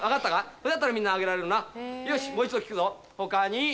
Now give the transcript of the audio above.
それだったらみんな挙げられるなよしもう一度聞くぞ。